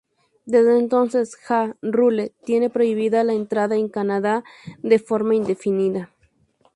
Desde entonces Ja Rule tiene prohibida la entrada en Canadá de forma indefinida.